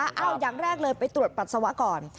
เอาอย่างแรกเลยไปตรวจปัสสาวะก่อน